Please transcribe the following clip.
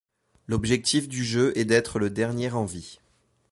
L'objectif du jeu est d'être le dernier en vie.